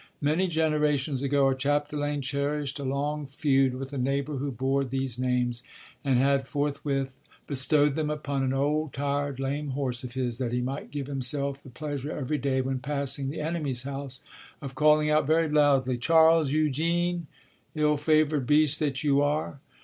Many generations ago a Chapdelaine cherished a long feud with a neighbour who bore these names, and had forthwith bestowed them upon an old, tired, lame horse of his, that he might give himself the pleasure every day when passing the enemy's house of calling out very loudly: "Charles Eugene, ill favoured beast that you are!